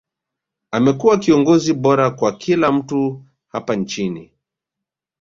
amekuwa kiongozi bora kwa kila mtu hapa nchini